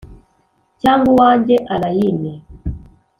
cyangwa uwanjye, allayne